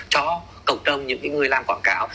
cho cộng đồng những người làm quảng cáo